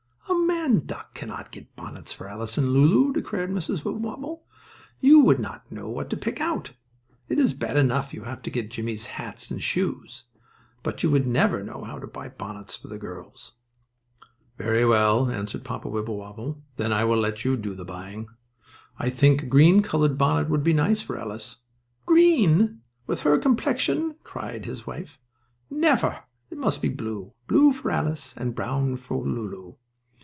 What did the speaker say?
"A man duck cannot get bonnets for Alice and Lulu," declared Mrs. Wibblewobble. "You would not know what to pick out! It is bad enough to have you get Jimmie's hats and shoes, but you would never know how to buy bonnets for the girls." "Very well," answered Papa Wibblewobble, "then I will let you do the buying. I think a green colored bonnet would be nice for Alice." "Green! With her complexion!" cried his wife. "Never! It must be blue blue for Alice and a brown one for Lulu.